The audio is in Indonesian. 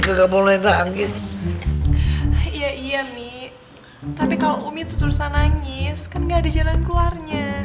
kagak boleh nangis iya iya mi tapi kalau umi terus terusan nangis kan nggak ada jalan keluarnya